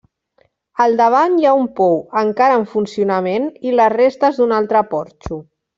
Al davant hi ha un pou, encara en funcionament i les restes d'un altre porxo.